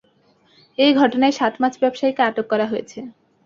এ ঘটনায় সাত মাছ ব্যবসায়ীকে আটক করা হয়েছে।